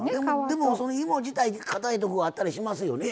でもその芋自体にかたいとこがあったりしますよね。